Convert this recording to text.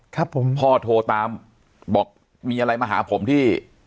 ครับผมพ่อโทรตามบอกมีอะไรมาหาผมที่